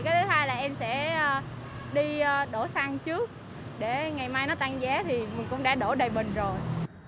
cái thứ hai là em sẽ đi đổ xăng trước để ngày mai nó tăng giá thì cũng đã đổ đầy bình rồi